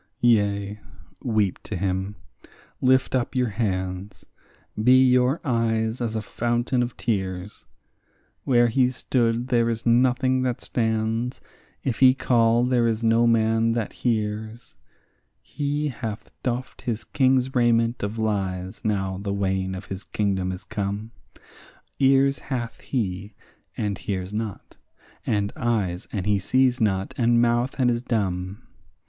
Yea, weep to him, lift up your hands; be your eyes as a fountain of tears; Where he stood there is nothing that stands; if he call, there is no man that hears. He hath doffed his king's raiment of lies now the wane of his kingdom is come; Ears hath he, and hears not; and eyes, and he sees not; and mouth, and is dumb.